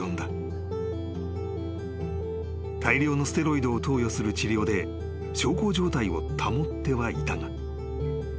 ［大量のステロイドを投与する治療で小康状態を保ってはいたが］